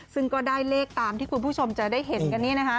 ซึ่งก็ได้เลขตามที่คุณผู้ชมจะได้เห็นกันนี้นะคะ